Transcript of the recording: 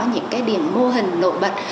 những mô hình nội bật